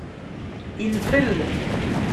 Infel.